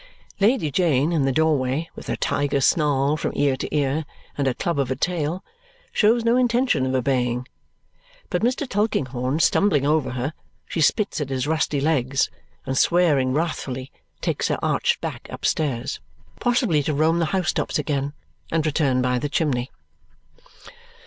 Lady Jane, in the doorway, with her tiger snarl from ear to ear and her club of a tail, shows no intention of obeying; but Mr. Tulkinghorn stumbling over her, she spits at his rusty legs, and swearing wrathfully, takes her arched back upstairs. Possibly to roam the house tops again and return by the chimney.